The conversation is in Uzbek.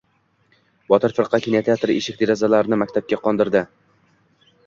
Botir firqa kinoteatr eshik-derazalarini maktabga qo‘ndirdi.